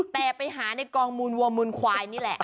แต่ไปหาในกองมูลวัวมูลควายนี่แหละ